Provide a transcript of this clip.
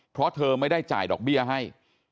เพราะเธอไม่ได้จ่ายดอกเบี้ยให้